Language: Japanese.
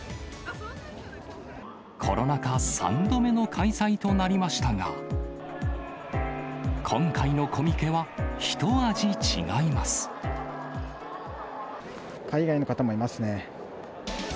コロナ禍３度目の開催となりましたが、今回のコミケは、ひと味違海外の方もいますね。